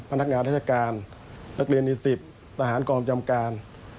พนักงานราชการนักเรียนอีศิษฐ์สถานกรรมจำการ